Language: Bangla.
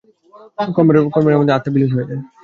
কর্মের বন্ধনে আবদ্ধ হয়ে আত্মা বিলিন হয়ে যায়।